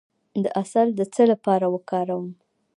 د عسل د څه لپاره وکاروم؟